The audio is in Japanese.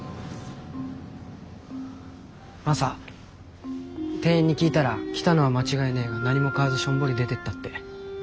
マサ店員に聞いたら来たのは間違いねえが何も買わずしょんぼり出てったって。